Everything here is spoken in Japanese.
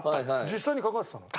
実際に掛かってたの？